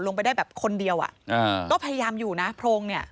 ลงไปได้แบบคนเดียวอ่ะอ่าก็พยายามอยู่นะโพรงเนี่ย